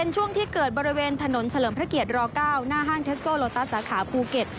ช่วงที่เกิดบริเวณถนนเฉลิมพระเกียร๙หน้าห้างเทสโกโลตัสสาขาภูเก็ต